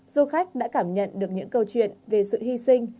du khách đã cảm nhận được những câu chuyện về sự hy sinh